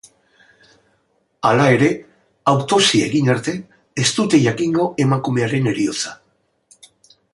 Hala ere, autopsia egin arte, ez dute jakingo emakumearen heriotza.